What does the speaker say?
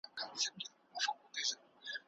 دا میز په ډېر هنر جوړ سوی دی.